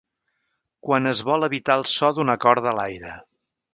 Quan es vol evitar el so d’una corda a l’aire.